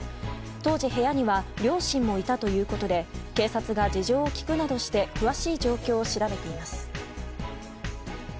当時、部屋には両親もいたということで警察が事情を聴くなどして詳しい状況を調べています。